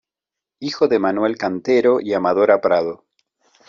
Hijo de Manuel Cantero y Amadora Prado.